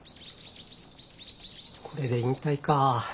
これで引退か。